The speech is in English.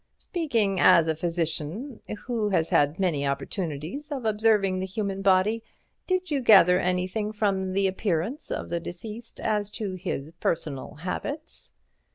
"Speaking as a physician, who has had many opportunities of observing the human body, did you gather anything from the appearance of the deceased as to his personal habits?"